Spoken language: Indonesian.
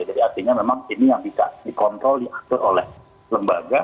jadi artinya memang ini yang bisa dikontrol diatur oleh lembaga